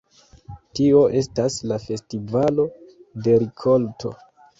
Tio estas la festivalo de rikolto.